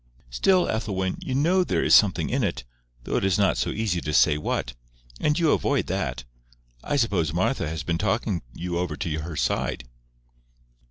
"Still, Ethelwyn, you know there is something in it, though it is not so easy to say what. And you avoid that. I suppose Martha has been talking you over to her side."